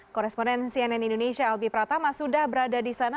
koresponen cnn indonesia albi pratama sudah berada di sana